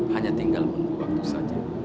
hanya tinggal menunggu waktu saja